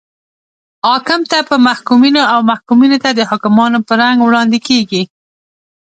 حاکم ته په محکومینو او محکومینو ته د حاکمانو په رنګ وړاندې کیږي.